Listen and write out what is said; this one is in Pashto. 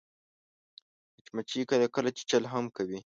مچمچۍ کله کله چیچل هم کوي